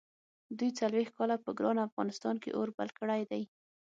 دوی څلوېښت کاله په ګران افغانستان کې اور بل کړی دی.